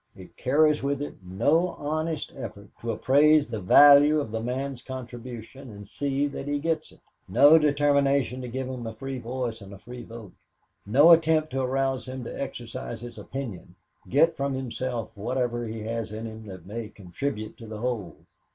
It carries with it no honest effort to appraise the value of the man's contribution and see that he gets it; no determination to give him a free voice and a free vote; no attempt to arouse him to exercise his opinion, get from himself whatever he has in him that may contribute to the whole.